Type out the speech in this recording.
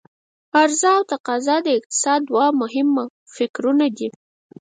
عرضا او تقاضا د اقتصاد دوه مهم فکتورونه دي.